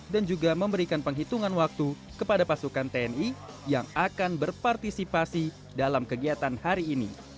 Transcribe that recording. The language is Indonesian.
juga memberikan penghitungan waktu kepada pasukan tni yang akan berpartisipasi dalam kegiatan hari ini